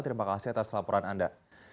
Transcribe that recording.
terima kasih atas laporan anda